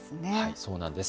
そうなんです。